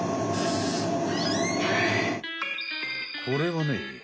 これはね